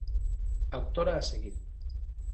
Autora a seguir.